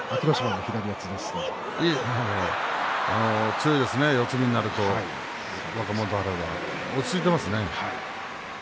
強いですね四つ身になると落ち着いていますね。